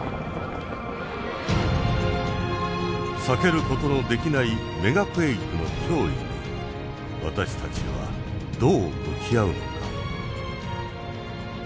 避けることのできないメガクエイクの脅威に私たちはどう向き合うのか。